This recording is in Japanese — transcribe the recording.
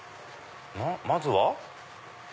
まずは？